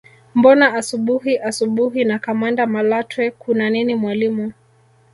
Mbona asubuhi asubuhi na kamanda Malatwe kuna nini mwalimu